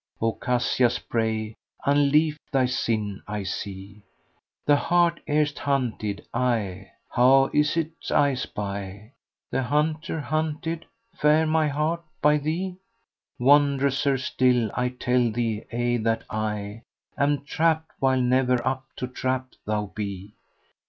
* O Cassia spray! Unlief thy sin I see:[FN#115] The hart erst hunted I: how is 't I spy * The hunter hunted (fair my hart!) by thee? Wondrouser still I tell thee aye that I * Am trapped while never up to trap thou be!